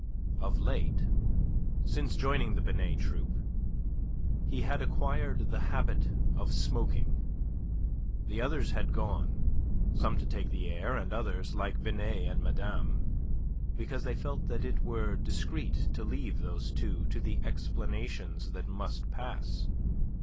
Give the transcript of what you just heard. Of late since joining the Binet Troupe he had acquired the habit of smoking. The others had gone, some to take the air and others, like Binet and Madame, because they felt that it were discreet to leave those two to the explanations that must pass.